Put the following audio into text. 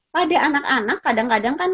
pada anak anak kadang kadang kan